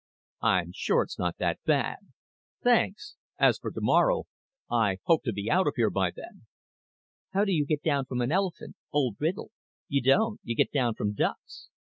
"I'm sure it's not that bad. Thanks. As for tomorrow, I hope to be out of here by then." "How do you get down from an elephant? Old riddle. You don't; you get down from ducks.